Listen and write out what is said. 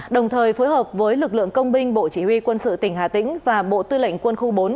đồng thời phối hợp với lực lượng công binh bộ chỉ huy quân sự tỉnh hà tĩnh và bộ tư lệnh quân khu bốn